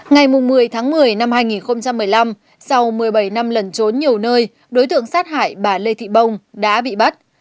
ngày một mươi tháng một mươi năm hai nghìn một mươi năm sau một mươi bảy năm lần trốn nhiều nơi đối tượng sát hại bà lê thị bông đã bị bắt